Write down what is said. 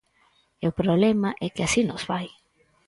E o problema é que así nos vai.